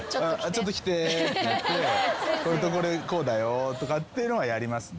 ちょっと来てって言ってこれとこれこうだよとかっていうのはやりますね。